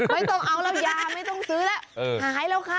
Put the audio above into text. ไม่ต้องเอาแล้วยาไม่ต้องซื้อแล้วหายแล้วค่ะ